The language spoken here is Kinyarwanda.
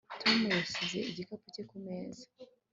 Tom yashyize igikapu cye kumeza